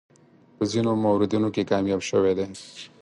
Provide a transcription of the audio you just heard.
په ځینو موردونو کې کامیاب شوی دی.